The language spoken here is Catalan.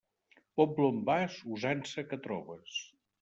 Poble on vas, usança que trobes.